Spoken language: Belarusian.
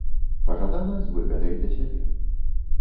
Пажадана, з выгадай для сябе.